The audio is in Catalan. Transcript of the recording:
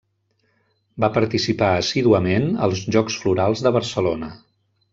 Va participar assíduament als Jocs Florals de Barcelona.